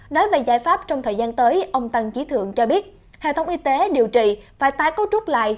nói về giải pháp trong thời gian tới ông tăng trí thượng cho biết hệ thống y tế điều trị phải tái cấu trúc lại